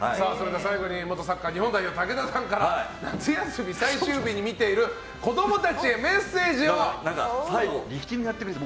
最後に元サッカー日本代表武田さんから夏休み最終日に見ている子供たちへメッセージをお願いします。